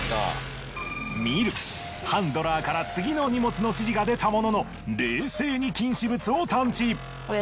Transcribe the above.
ミルハンドラーから次の荷物の指示が出たものの冷静に禁止物を探知。